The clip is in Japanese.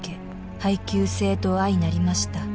配給制と相なりました